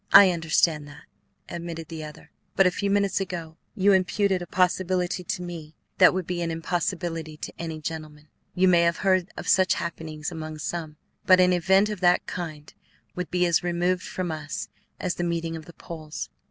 "I understand that," admitted the other; "but a few minutes ago you imputed a possibility to me that would be an impossibility to any gentleman. You may have heard of such happenings among some, but an event of that kind would be as removed from us as the meeting of the poles.